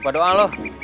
ya udah jalan sana